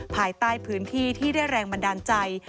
ภายใต้พื้นที่ที่ได้แรงบันดาลใจ